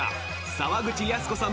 沢口靖子さん